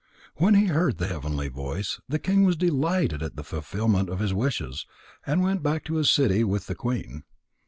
When he heard the heavenly voice, the king was delighted at the fulfilment of his wishes, and went back to his city with the queen.